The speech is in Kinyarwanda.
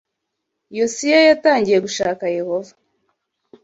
yosiya yatangiye gushaka Yehova